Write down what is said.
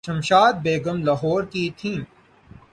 شمشاد بیگم لاہورکی تھیں۔